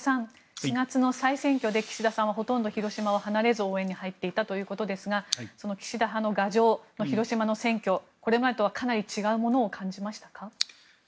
４月の再選挙で岸田さんはほとんど広島を離れず応援に入っていたということですが岸田派の牙城の広島の選挙これまでとはかなり違うものを感じましたか？